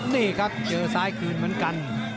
นี่ครับเจอซ้ายคืนเหมือนกัน